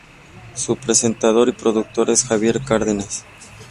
Su presentador y productor es Javier Cárdenas.